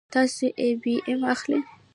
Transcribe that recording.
تاسو آی بي ایم اخلئ